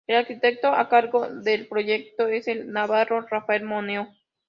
El arquitecto a cargo del proyecto es el navarro Rafael Moneo.